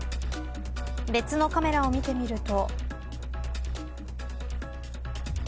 別のカメラを見てみると。